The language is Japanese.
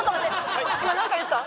今何か言った？